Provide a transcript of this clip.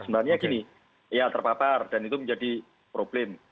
sebenarnya gini ya terpapar dan itu menjadi problem